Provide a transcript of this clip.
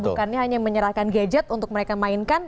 bukannya hanya menyerahkan gadget untuk mereka mainkan